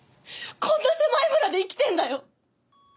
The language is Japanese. こんな狭い村で生きてんだよ！？